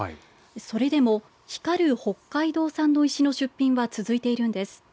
それでも光る北海道産の石の出品は続いているんです。